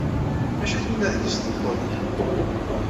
Acu tenna deg-s tmeṭṭut-ik?